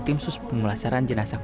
siap jenderal dilaksanakan jenderal